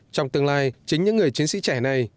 trong tương lai chính những người chiến sĩ trẻ này